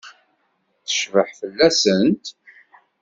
Tecbeḥ fell-asent?